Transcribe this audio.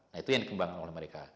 nah itu yang dikembangkan oleh mereka